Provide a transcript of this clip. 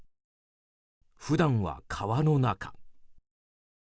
普段は川の中。